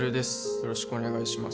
よろしくお願いします